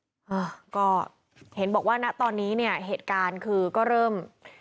ฮะก็เห็นบอกว่าณตอนนี้เนี่ยเหตุการณ์คือก็เริ่ม